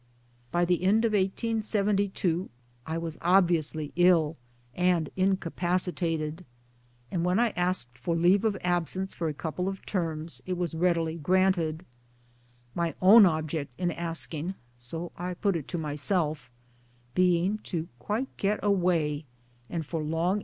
By the end of '72 I was obviously ill and incapacitated, and when I asked for leave of absence for a couple of terms it was readily granted my own object in asking (so I put it to myself) being to get quite away and for long!